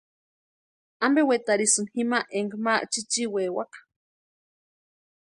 ¿Ampe wetarhisïni jima énka ma chichiwaewaka?